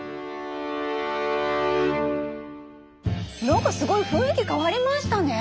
何かすごい雰囲気変わりましたね。